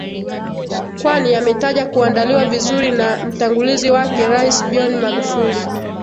Kwani ametaja kuandaliwa vizuri na mtangulizi wake Rais John Magufuli